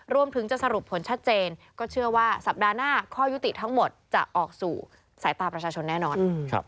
รวมถึงจะสรุปผลชัดเจนก็เชื่อว่าสัปดาห์หน้าข้อยุติทั้งหมดจะออกสู่สายตาประชาชนแน่นอน